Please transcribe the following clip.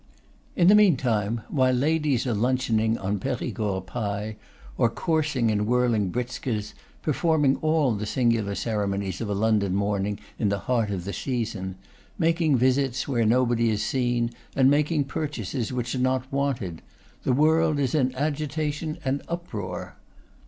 In the meantime, while ladies are luncheoning on Perigord pie, or coursing in whirling britskas, performing all the singular ceremonies of a London morning in the heart of the season; making visits where nobody is seen, and making purchases which are not wanted; the world is in agitation and uproar.